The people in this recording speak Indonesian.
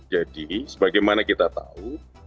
jadi sebagaimana kita tahu